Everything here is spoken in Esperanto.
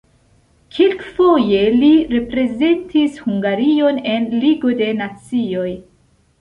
Kelkfoje li reprezentis Hungarion en Ligo de Nacioj.